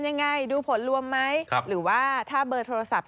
ยังไงดูผลรวมไหมหรือว่าถ้าเบอร์โทรศัพท์